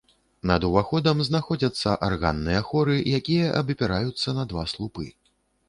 Над уваходам знаходзяцца арганныя хоры, якія абапіраюцца на два слупы.